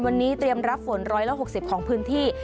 วันนี้เตรียมรับฝน๑๖๐ของพื้นที่